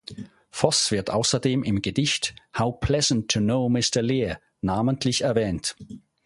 Foss wird außerdem im Gedicht "How Pleasant to Know Mr Lear" namentlich erwähnt.